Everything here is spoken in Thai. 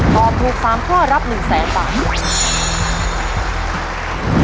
ตอบถูก๓ข้อรับ๑แสนบาท